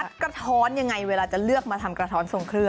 กระท้อนยังไงเวลาจะเลือกมาทำกระท้อนทรงเครื่อง